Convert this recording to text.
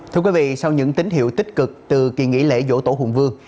thưa quý vị sau những tín hiệu tích cực từ kỳ nghỉ lễ dỗ tổ hùng vương